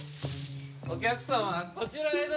お客様こちらへどうぞ。